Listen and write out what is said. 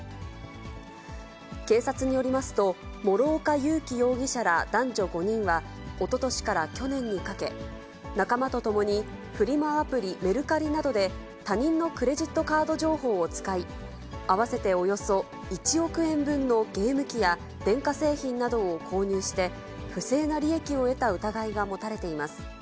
警察によりますと、諸岡佑樹容疑者ら男女５人はおととしから去年にかけ、仲間と共に、フリマアプリ、メルカリなどで、他人のクレジットカード情報を使い、合わせておよそ１億円分のゲーム機や電化製品などを購入して、不正な利益を得た疑いが持たれています。